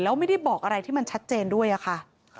แล้วไม่ได้บอกอะไรที่มันชัดเจนด้วยอะค่ะ